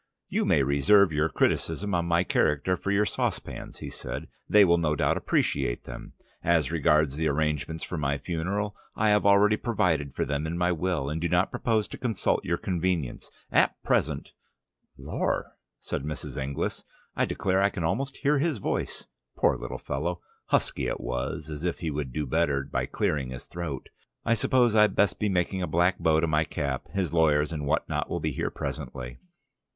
"You may reserve your criticism on my character for your saucepans," he said. "They will no doubt appreciate them. As regards the arrangements for my funeral, I have already provided for them in my will, and do not propose to consult your convenience. At present " "Lor'!" said Mrs. Inglis, "I declare I can almost hear his voice, poor little fellow. Husky it was, as if he would do better by clearing his throat. I suppose I'd best be making a black bow to my cap. His lawyers and what not will be here presently."